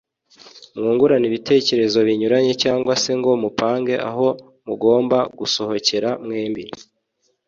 mwungurane ibitekerezo binyuranye cyangwa se ngo mupange aho mugomba gusohokera mwembi,